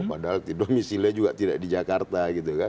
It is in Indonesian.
padahal domisilnya juga tidak di jakarta